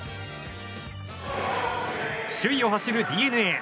首位を走るＤｅＮＡ。